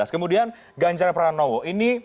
kemudian ganjar pranowo